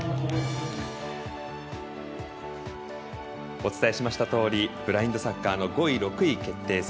お伝えしましたとおりブラインドサッカーの５位、６位決定戦。